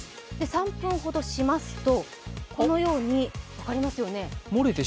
３分ほどしますと、このように、分かりますよね？